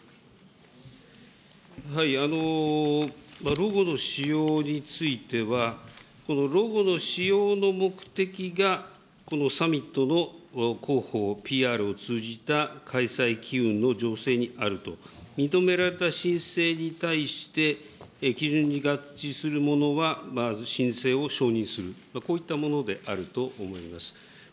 ロゴの使用については、ロゴの使用の目的が、このサミットの広報、ＰＲを通じた開催機運の醸成にあると認められた申請に対して、基準に合致するものはまず申請を承認する、こういったものであると思います。